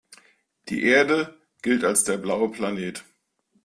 Die Erde gilt als der „blaue Planet“.